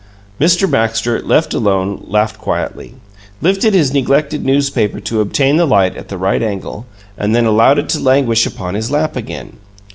Mr. Baxter, left alone, laughed quietly, lifted his neglected newspaper to obtain the light at the right angle, and then allowed it to languish upon his lap again.